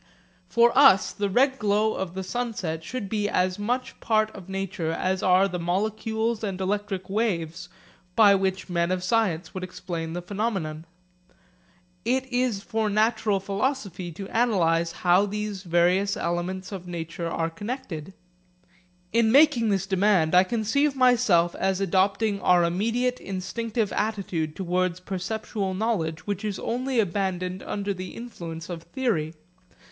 For us the red glow of the sunset should be as much part of nature as are the molecules and electric waves by which men of science would explain the phenomenon. It is for natural philosophy to analyse how these various elements of nature are connected. In making this demand I conceive myself as adopting our immediate instinctive attitude towards perceptual knowledge which is only abandoned under the influence of theory.